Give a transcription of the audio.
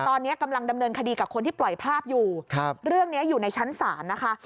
ตอนนี้กำลังดำเนินคดีกับคนที่ปล่อยภาพอยู่เรื่องนี้อยู่ในชั้นศาลนะคะ